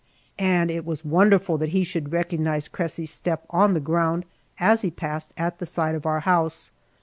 And it was wonderful that he should recognize Cressy's step on the ground as he passed at the side of our house.